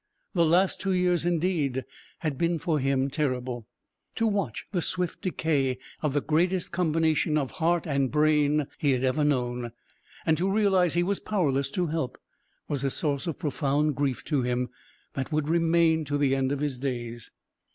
The last two years, indeed, had been for him terrible. To watch the swift decay of the greatest combination of heart and brain he had ever known, and to realize he was powerless to help, was a source of profound grief to him that would remain to the end of his days.